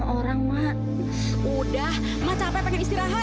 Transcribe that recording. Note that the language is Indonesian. orang udah mau istirahat